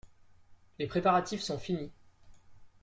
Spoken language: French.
Les préparatifs sont finis.